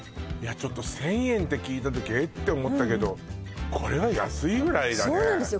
ちょっと１０００円って聞いたときえっ？って思ったけどこれは安いぐらいだねそうなんですよ